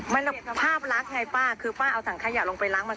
มันภาพรักไงป้าคือป้าเอาถังขยะลงไปล้างมัน